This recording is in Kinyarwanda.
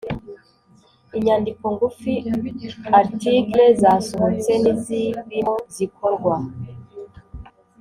inyandiko ngufi articles zasohotse n izirimo zikorwa